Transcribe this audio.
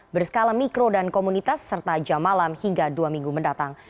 berskala mikro dan komunitas serta jam malam hingga dua minggu mendatang